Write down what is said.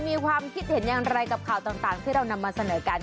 มีความคิดเห็นอย่างไรกับข่าวต่างที่เรานำมาเสนอกัน